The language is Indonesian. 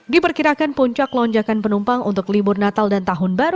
diperkirakan puncak lonjakan penumpang untuk libur natal dan tahun baru